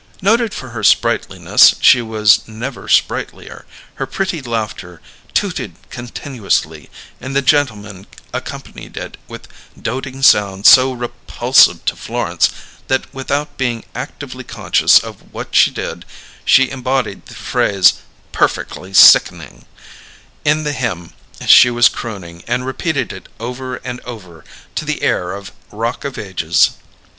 Noted for her sprightliness, she was never sprightlier; her pretty laughter tooted continuously, and the gentlemen accompanied it with doting sounds so repulsive to Florence that without being actively conscious of what she did, she embodied the phrase, "perfeckly sickening," in the hymn she was crooning, and repeated it over and over to the air of "Rock of Ages."